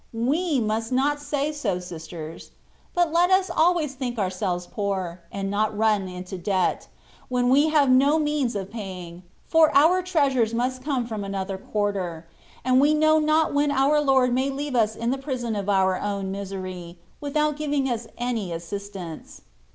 We must not say so, sisters; but let us always think ourselves poor, and not run into debt, when we have no means of paying, for our treasures must come from another quarter, and we know not when our Lord Inay leave us in the prison of our own misery, without giving us any assistance.